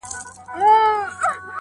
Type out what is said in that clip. پاڼي ژیړي کېږي.